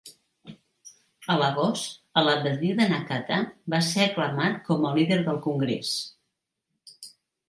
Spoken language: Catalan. A l'agost, a la badia de Nkata, va ser aclamat com a líder del congrés.